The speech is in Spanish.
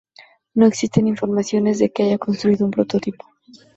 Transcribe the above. No existen informaciones de que se haya construido un prototipo.